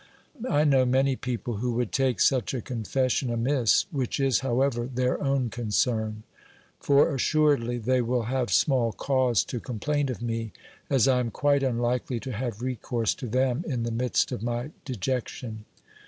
I know many people who would take such a confession amiss, which is, however, their own concern, for assuredly they will have small cause to com plain of me, as I am quite unlikely to have recourse to them in the midst of my dejection.